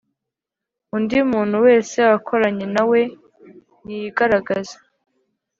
undi muntu wese wakoranye nawe niyigaragaze